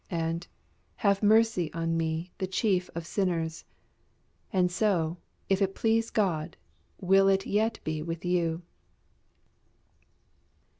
And: Have mercy on me, the chief of sinners! And so, if it so please God, will it yet be with you.